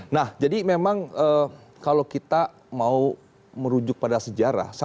nah jadi memang kalau kita mau merujuk pada sejarah